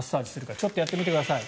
ちょっとやってみてください。